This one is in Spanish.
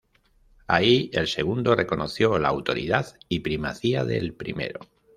Ahí el segundo reconoció la autoridad y primacía del primero.